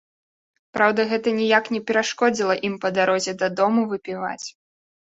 Праўда, гэта ніяк не перашкодзіла ім па дарозе дадому выпіваць.